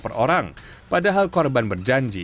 per orang padahal korban berjanji